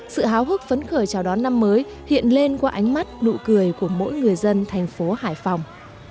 sự háo hức phấn khởi chào đón năm mới hiện lên qua ánh mắt nụ cười của mỗi người dân thành phố hải phòng